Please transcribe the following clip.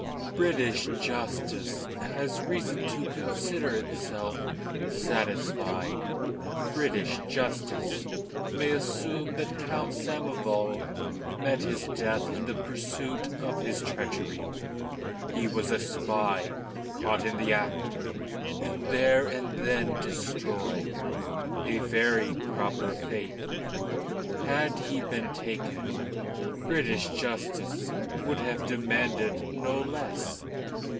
"British justice has reason to consider itself satisfied. British justice may assume that Count Samoval met his death in the pursuit of his treachery. He was a spy caught in the act, and there and then destroyed a very proper fate. Had he been taken, British justice would have demanded no less.